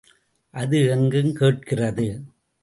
அது எங்கும் கேட்கிறது.